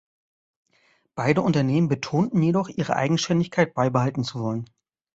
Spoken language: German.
Beide Unternehmen betonten jedoch, ihre Eigenständigkeit beibehalten zu wollen.